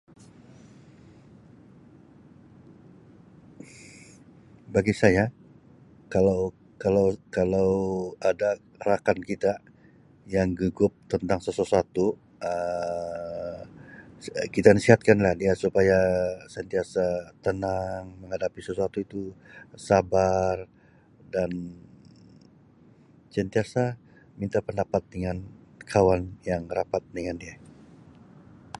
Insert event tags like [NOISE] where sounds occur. [NOISE] Bagi saya kalau-kalau-kalau ada rakan kita yang gugup tentang sesusatu Um sa-kita nasihatkan lah dia supaya sentiasa tenang menghadapi sesuatu tu sabar dan Um sentiasa minta pendapat dengan kawan yang rapat dengan dia.